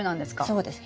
そうです。